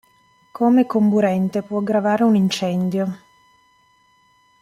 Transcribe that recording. Come comburente può aggravare un incendio.